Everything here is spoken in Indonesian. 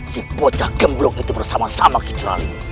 si bocah gemblong itu bersama sama ke curali